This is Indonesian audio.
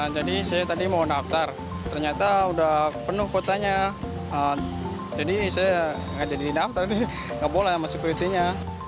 jadi saya tadi mau daftar ternyata sudah penuh kuotanya jadi saya tidak jadi daftar tidak boleh dengan sekuritinya